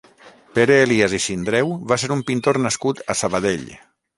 Pere Elias i Sindreu va ser un pintor nascut a Sabadell.